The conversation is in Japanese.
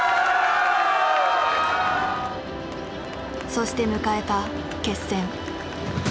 そして迎えた決戦。